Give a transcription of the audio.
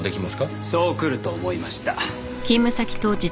そうくると思いました。